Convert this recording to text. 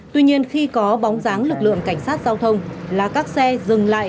tuy nhiên khi có bóng dáng lực lượng cảnh sát giao thông là các xe dừng lại